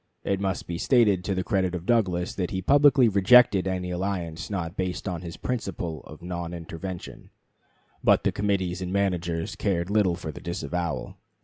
It must be stated to the credit of Douglas, that he publicly rejected any alliance not based on his principle of "non intervention"; but the committees and managers cared little for the disavowal.